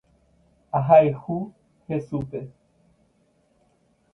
Ahayhu Jesúspe.